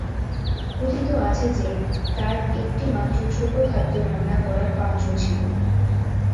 কথিত আছে যে, তাঁর একটি মাত্র ছোট খাদ্য রান্না করার পাত্র ছিল।